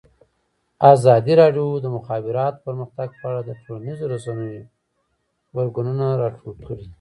ازادي راډیو د د مخابراتو پرمختګ په اړه د ټولنیزو رسنیو غبرګونونه راټول کړي.